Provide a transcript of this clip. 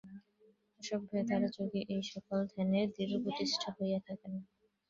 অভ্যাসের দ্বারা যোগী এই-সকল ধ্যানের দৃঢ়প্রতিষ্ঠ হইয়া থাকেন।